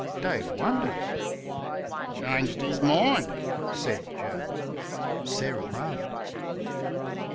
Dave wondered. "Changed his mind," said Joe. Sarah laughed.